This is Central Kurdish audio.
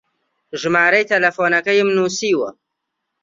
ژمارەی تەلەفۆنەکەیم نووسیوە.